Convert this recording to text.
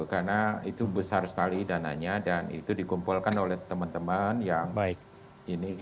karena itu besar sekali dananya dan itu dikumpulkan oleh teman teman yang ini